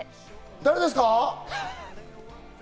誰ですか？